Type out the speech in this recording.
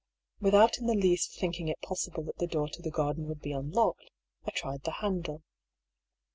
Without in the least thinking it possible that the door to the garden would be unlocked, I tried the handle.